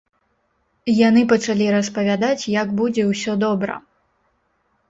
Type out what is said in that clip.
Яны пачалі распавядаць, як будзе ўсё добра.